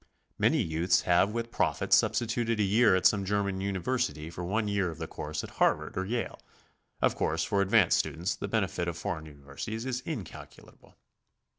Many youths have with profit substituted a year at some German university for one year of the course at Harvard or Yale. Of course for advanced students the benefit of foreign universities is incalculable.